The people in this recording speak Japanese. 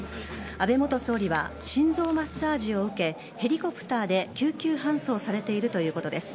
安倍元総理は心臓マッサージを受けヘリコプターで救急搬送されているということです。